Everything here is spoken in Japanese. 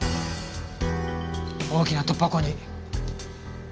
大きな突破口に。